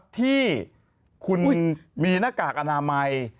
ที่คุณมีหน้ากากอนามัย